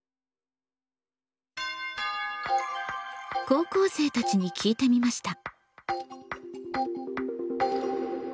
高校生たちに聞いてみました。